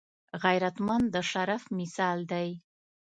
غیرتمند د شرف مثال دی